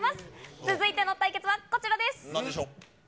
続いての対決はこちらです。